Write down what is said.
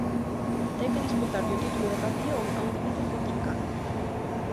Ten que disputarlle o título de campión a un difícil contrincante.